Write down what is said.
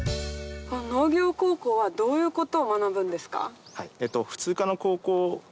農業高校はどういうことを学ぶんですか？